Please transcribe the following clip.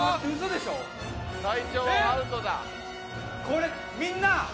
これみんな！